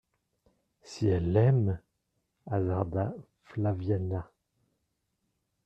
Si elle l'aime …» hasarda Flaviana.